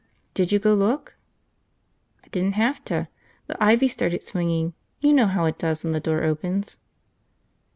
"Did you go look?" "I didn't hafta. The ivy started swinging, you know how it does when the door opens."